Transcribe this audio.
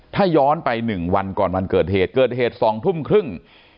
ถ้าย้อนไป๑วันก่อนวันเกิดเหตุเกิดเหตุ๒ทุ่มครึ่ง